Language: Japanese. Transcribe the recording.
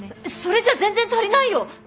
それじゃ全然足りないよ。